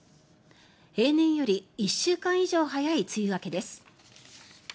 平年より１週間以上早い梅雨明けです。